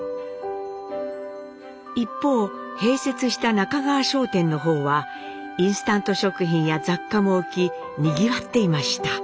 一方併設した中川商店の方はインスタント食品や雑貨も置きにぎわっていました。